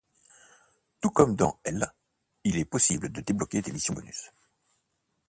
Tout comme dans l', il est possible de débloquer des missions bonus.